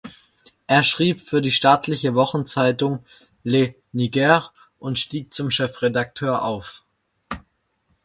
Er schrieb für die staatliche Wochenzeitung "Le Niger" und stieg zum Chefredakteur auf.